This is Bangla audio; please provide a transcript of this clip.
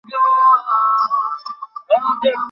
হ্যাঁ, ঠিকই বলেছ।